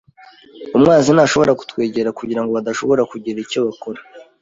Umwanzi ntashobora kutwegera kugirango badashobora kugira icyo bakora.